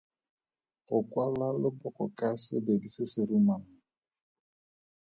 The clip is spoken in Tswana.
Go kwala leboko ka sebedi se se rumang.